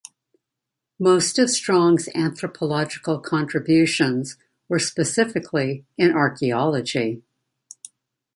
Most of Strong's anthropological contributions were specifically in archaeology.